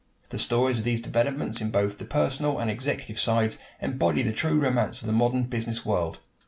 The stories of these developments, in both the personal and executive sides, embody the true romance of the modern business world.